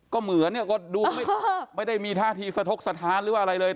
ก็เหมือนเนี่ยก็ดูไม่ได้มีท่าทีสะทกสถานหรือว่าอะไรเลย